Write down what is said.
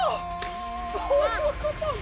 そういうことね。